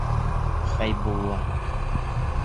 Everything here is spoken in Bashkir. Хәйбулла!